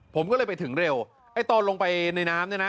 ผมก็เลยไปถึงเร็วไอ้ตอนลงไปในน้ำเนี่ยนะ